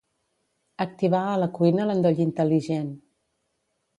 Activar a la cuina l'endoll intel·ligent.